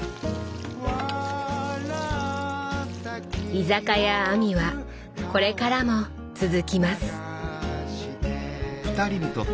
「居酒屋あみ」はこれからも続きます。